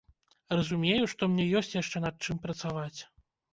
Разумею, што мне ёсць яшчэ над чым працаваць.